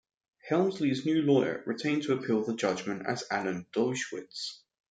Helmsley's new lawyer, retained to appeal the judgment, was Alan Dershowitz.